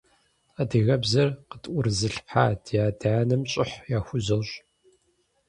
Адыгэбзэр къытӀурызылъхьа ди адэ-анэм щӀыхь яхузощӀ.